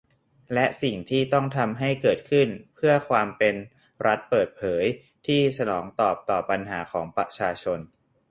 และสิ่งที่ต้องทำให้เกิดขึ้น เพื่อความเป็น รัฐเปิดเผย ที่สนองตอบต่อปัญหาของประชาชน